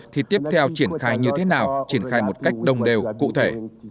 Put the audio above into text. thì tiếp theo triển khai như thế nào triển khai một cách đồng đều cụ thể